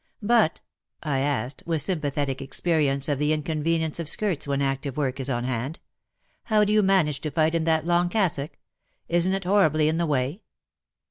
" But "— I asked, with sympathetic experience of the inconvenience of skirts when active work is on hand —" how do you manage to fight in that long cassock? Isn't it horribly in the way